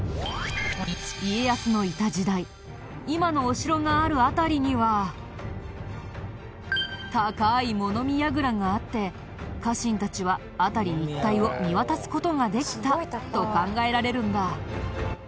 家康のいた時代今のお城がある辺りには高い物見やぐらがあって家臣たちは辺り一帯を見渡す事ができたと考えられるんだ。